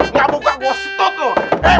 nggak buka gua stut lu